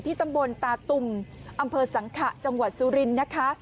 ตำบลตาตุ่มอำเภอสังขะจังหวัดสุรินทร์นะคะ